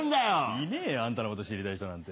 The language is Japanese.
いねえよあんたのこと知りたい人なんて。